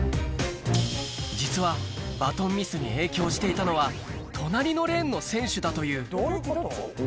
実はバトンミスに影響していたのは隣のレーンの選手だというそれで多分。